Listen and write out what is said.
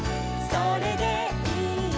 「それでいい」